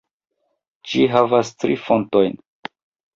Ĝi havas tri fontojn.